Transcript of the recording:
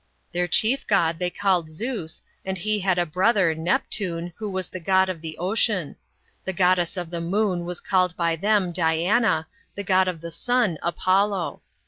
Their chief god they called Zeus, and he had a brother, Neptune, who was the god of the ocean. The goddess of the moon was called by them, Diana, the god of the sun Apollo.